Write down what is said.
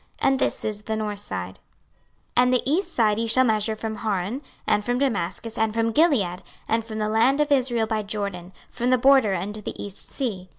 And this is the north side. 26:047:018 And the east side ye shall measure from Hauran, and from Damascus, and from Gilead, and from the land of Israel by Jordan, from the border unto the east sea.